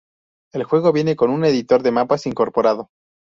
El juego viene con un editor de mapas incorporado.